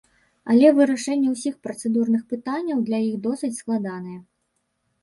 Але вырашэнне ўсіх працэдурных пытанняў для іх досыць складанае.